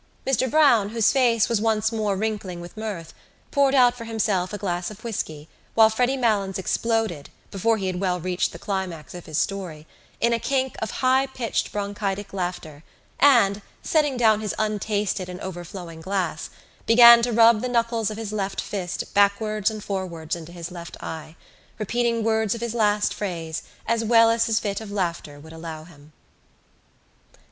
Mr Browne, whose face was once more wrinkling with mirth, poured out for himself a glass of whisky while Freddy Malins exploded, before he had well reached the climax of his story, in a kink of high pitched bronchitic laughter and, setting down his untasted and overflowing glass, began to rub the knuckles of his left fist backwards and forwards into his left eye, repeating words of his last phrase as well as his fit of laughter would allow him.